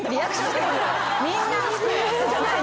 みんな。